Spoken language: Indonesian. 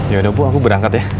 yaudah bu aku berangkat ya